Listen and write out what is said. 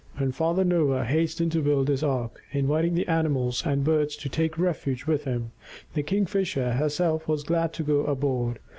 When Father Noah hastened to build his ark, inviting the animals and birds to take refuge with him, the Kingfisher herself was glad to go aboard.